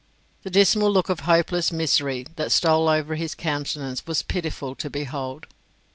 The dismal look of hopeless misery thatstole over his countenance was pitiful to behold.